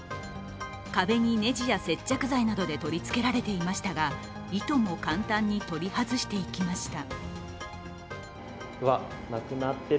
壁にネジや接着剤などで取りつけられていましたが、いとも簡単に取り外していきました。